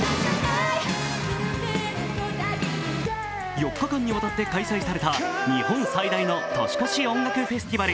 ４日間にわたって開催された日本最大の年越しフェスティバル